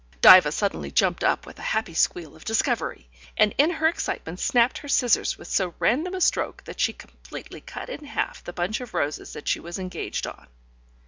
Diva suddenly jumped up with a happy squeal of discovery, and in her excitement snapped her scissors with so random a stroke that she completely cut in half the bunch of roses that she was engaged on.